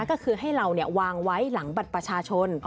ก็คือให้เราวางไว้หลังบัตรประชาชน